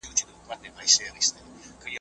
زه اوس خبري کوم